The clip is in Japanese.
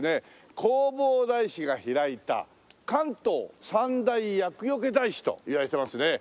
弘法大師が開いた関東三大厄除け大師といわれていますね。